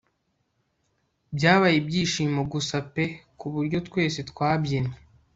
byabaye ibyishimo gusa pe kuburyo twese twabyinye